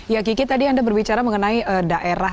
ya kiki tadi anda berbicara mengenai daerah